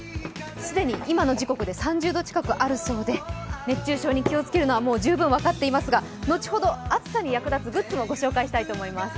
既に今の時刻で３０度近くあるそうで熱中症に気をつけるのは十分分かっていますが、後ほど暑さに役立つグッズを御紹介したいと思います。